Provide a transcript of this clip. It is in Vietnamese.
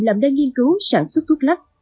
làm đơn nghiên cứu sản xuất thuốc lắc